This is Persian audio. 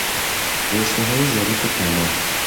رشتههای ظریف طلا